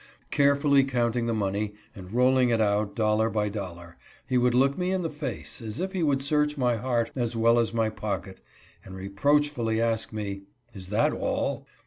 Carefully counting the money, and rolling it out dollar by dollar, he would look me in the face, as if he would search my heart as well as my pocket, and reproach fully ask me, " Is that all